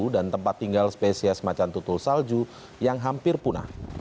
dan tempat tinggal spesies macan tutul salju yang hampir punah